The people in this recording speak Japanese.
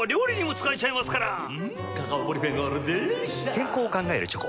健康を考えるチョコ。